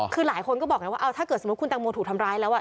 คือหลายคนก็บอกอย่างนี้ว่าเอ้าถ้าเกิดสมมติคุณแตงโมถูกทำร้ายแล้วอ่ะ